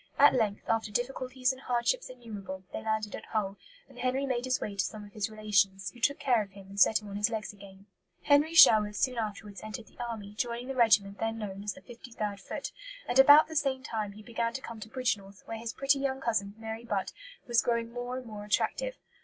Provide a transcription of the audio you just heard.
At length, after difficulties and hardships innumerable, they landed at Hull; and Henry made his way to some of his relations, who took care of him and set him on his legs again. Henry Sherwood soon afterwards entered the army, joining the regiment then known as the 53rd Foot; and about the same time he began to come to Bridgnorth, where his pretty young cousin, Mary Butt, was growing more and more attractive.